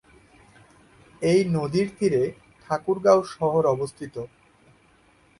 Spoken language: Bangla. এই নদীর তীরে ঠাকুরগাঁও শহর অবস্থিত।